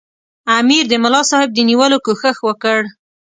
امیر د ملاصاحب د نیولو کوښښ وکړ.